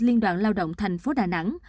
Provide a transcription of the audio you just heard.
liên đoàn lao động tp đà nẵng